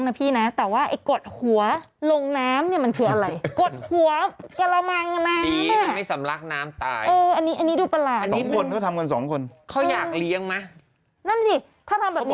นั่นสิถ้าทำแบบนี้ไม่ต้องเลี้ยงดีกว่า